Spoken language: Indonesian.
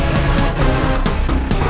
ada masalah apa lagi ya